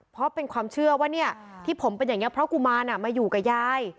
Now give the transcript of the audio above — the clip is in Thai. เพราะเป็นความเชื่อว่าเนี่ยที่ผมเป็นอย่างนี้เพราะกุมารมาอยู่กับยาย